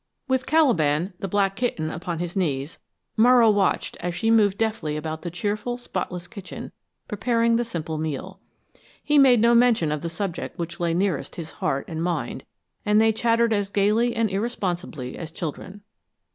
With Caliban, the black kitten, upon his knees, Morrow watched as she moved deftly about the cheerful, spotless kitchen preparing the simple meal. He made no mention of the subject which lay nearest his heart and mind, and they chattered as gaily and irresponsibly as children.